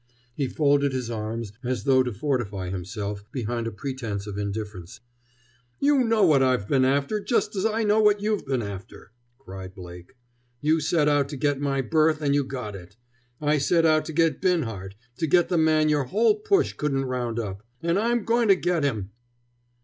He folded his arms, as though to fortify himself behind a pretense of indifferency. "You know what I've been after, just as I know what you've been after," cried Blake. "You set out to get my berth, and you got it. And I set out to get Binhart, to get the man your whole push couldn't round up—and I'm going to get him!"